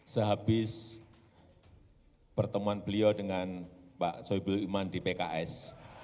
sehabis pertemuan beliau dengan pak soebul iman di pks